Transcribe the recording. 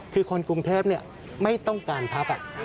คือคนกรุงเทพไม่ต้องการพัก